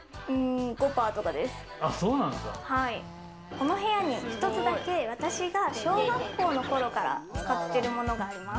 この部屋に一つだけ私が小学校の頃から使っているものがあります。